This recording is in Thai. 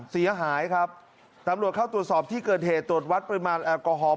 เสียหายครับตำรวจเข้าตรวจสอบที่เกิดเหตุตรวจวัดปริมาณแอลกอฮอล